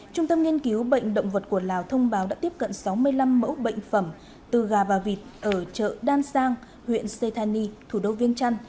trung tâm nghiên cứu bệnh động vật của lào thông báo đã tiếp cận sáu mươi năm mẫu bệnh phẩm từ gà và vịt ở chợ đan sang huyện setani thủ đô viên trăn